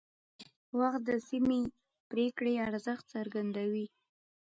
وخت د سمې پرېکړې ارزښت څرګندوي